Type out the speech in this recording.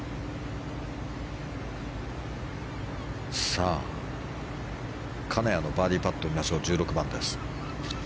さあ、金谷のバーディーパット１６番です。